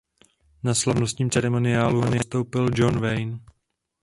Na slavnostním ceremoniálu ho zastoupil John Wayne.